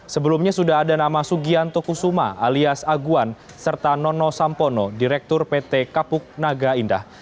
sebelumnya sudah ada nama sugianto kusuma alias aguan serta nono sampono direktur pt kapuk naga indah